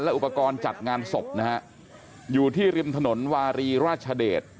อุปกรณ์จัดงานศพนะฮะอยู่ที่ริมถนนวารีราชเดช